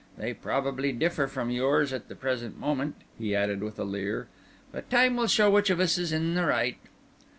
They probably differ from yours at the present moment," he added with a leer, "but time will show which of us is in the right."